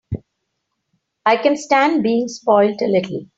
I can stand being spoiled a little.